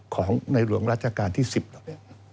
ของในหลวงราชการที่๑๐นะฮะ